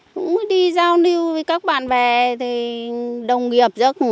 cũng đi giao lưu với các bạn bè đồng nghiệp rất